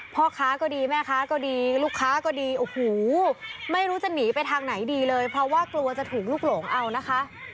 พ่อค้าก็ดีแม่ค้าก็ดีลูกค้าก็ดีโอ้โหไม่รู้จะหนีไปทางไหนดีเลยเพราะว่ากลัวจะถูกลุกหลงเอานะคะ